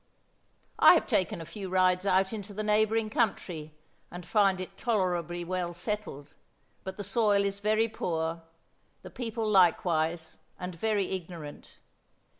"I have taken a few rides out into the neighboring country, and find it tolerably well settled, but the soil is very poor, the people likewise and very ignorant.